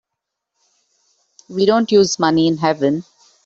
We don't use money in heaven.